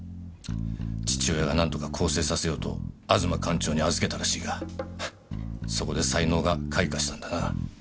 父親が何とか更生させようと吾妻館長に預けたらしいがそこで才能が開花したんだな。